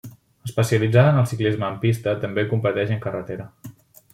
Especialitzada en el ciclisme en pista, també competeix en carretera.